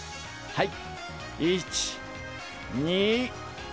はい！